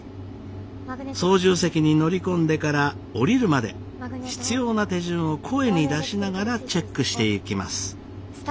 操縦席に乗り込んでから降りるまで必要な手順を声に出しながらチェックしていきます。